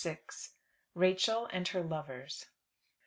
RACHEL AND HER LOVERS.